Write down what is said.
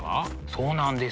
そうなんです。